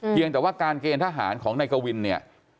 เพียงแต่ว่าการเกณฑ์ทหารของนายกวินเนี่ย